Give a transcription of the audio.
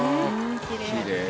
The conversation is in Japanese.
きれい。